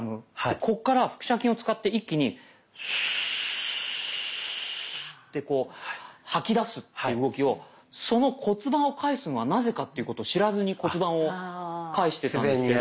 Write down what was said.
こっから腹斜筋を使って一気にスーッてこう吐き出すという動きをその骨盤をかえすのがなぜかっていうことを知らずに骨盤をかえしてたんですけど。